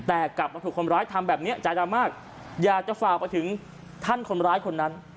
แต่กลับมาถูกคนร้ายทำแบบนี้ใจดำมากอยากจะฝากไปถึงท่านคนร้ายคนนั้น